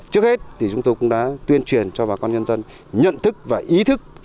trước hết thì chúng tôi cũng đã tuyên truyền cho bà con nhân dân nhận thức và ý thức